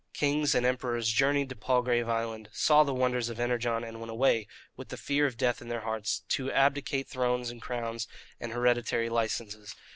Kings and emperors journeyed to Palgrave Island, saw the wonders of Energon, and went away, with the fear of death in their hearts, to abdicate thrones and crowns and hereditary licenses.